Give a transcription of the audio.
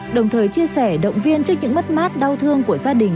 đồng thời chia sẻ động viên trước những mất mát đau thương của gia đình